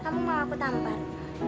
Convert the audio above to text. kamu mau aku tampar